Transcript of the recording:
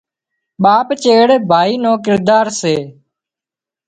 ٻاپ چيڙ ڀائي نو ڪردار سي